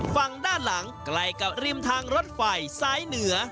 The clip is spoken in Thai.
ฝั่งด้านหลังใกล้กับริมทางรถไฟซ้ายเหนือ